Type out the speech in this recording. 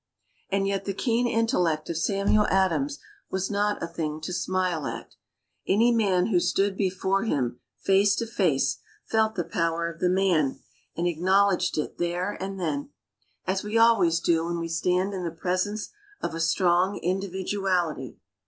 And yet the keen intellect of Samuel Adams was not a thing to smile at. Any one who stood before him, face to face, felt the power of the man, and acknowledged it then and there, as we always do when we stand in the presence of a strong individuality.